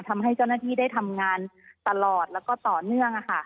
ทำให้เจ้าหน้าที่ได้ทำงานตลอดแล้วก็ต่อเนื่อง